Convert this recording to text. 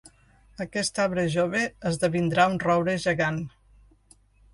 Aquest arbre jove esdevindrà un roure gegant.